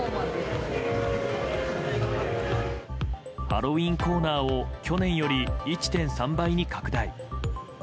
ハロウィーンコーナーを去年より１．３倍に拡大。